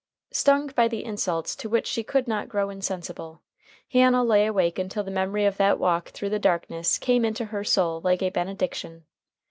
Stung by the insults to which she could not grow insensible, Hannah lay awake until the memory of that walk through the darkness came into her soul like a benediction.